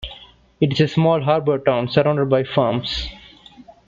It is a small harbor town surrounded by farms.